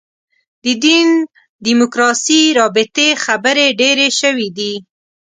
د دین دیموکراسي رابطې خبرې ډېرې شوې دي.